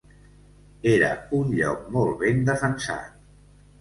Era un lloc molt ben defensat.